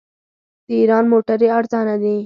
د ایران موټرې ارزانه دي.